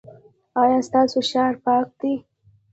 ایا ستاسو ښار پاک دی؟